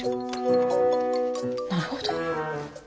なるほど。